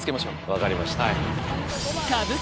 分かりました。